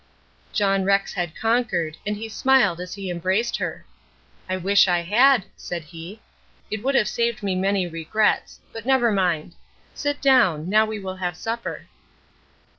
John Rex had conquered, and he smiled as he embraced her. "I wish I had," said he; "it would have saved me many regrets; but never mind. Sit down; now we will have supper."